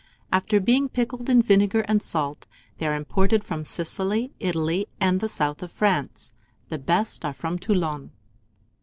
After being pickled in vinegar and salt, they are imported from Sicily, Italy, and the south of France. The best are from Toulon.